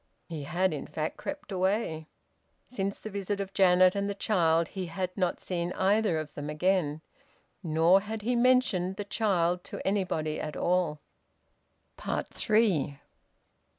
He had in fact crept away. Since the visit of Janet and the child he had not seen either of them again, nor had he mentioned the child to anybody at all. THREE.